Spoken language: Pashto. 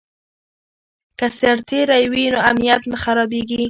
که سرتیری وي نو امنیت نه خرابېږي.